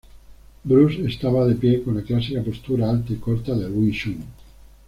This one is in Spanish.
Bruce estaba de pie con la clásica postura alta y corta del Wing Chun.